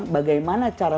sebagai contoh ya